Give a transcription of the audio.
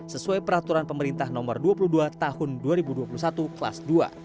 sesuai peraturan pemerintah nomor dua puluh dua tahun dua ribu dua puluh satu kelas dua